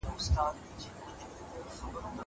قلم وکاروه!!